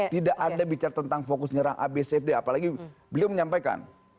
tidak ada bicara tentang fokus nyerang ab cfd apalagi beliau menyampaikan